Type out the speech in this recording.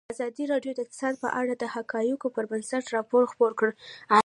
ازادي راډیو د اقتصاد په اړه د حقایقو پر بنسټ راپور خپور کړی.